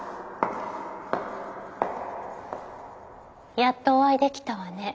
やっとお会いできたわね